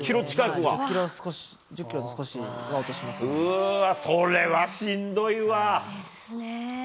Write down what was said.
うわー、それはしんどいわ。ですね。